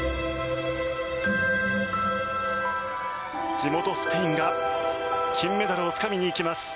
地元スペインが金メダルをつかみにいきます。